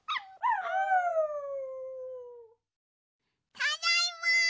ただいま！